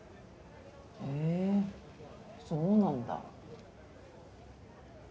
へぇそうなんだ。